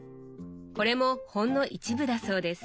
これもほんの一部だそうです。